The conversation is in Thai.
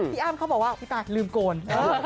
พี่อ้ามเขาบอกว่าพี่ตาคลึ่มโกน